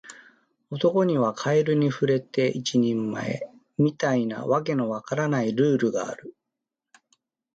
男にはカエルに触れて一人前、みたいな訳の分からないルールがある